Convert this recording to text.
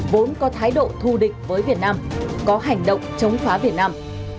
vốn có thái độ thù địch với việt nam có hành động chống phá việt nam